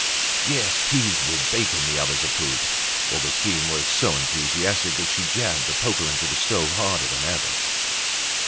"Yes, peas with bacon." The others approved. Augustine was so enthusiastic that she jabbed the poker into the stove harder than ever.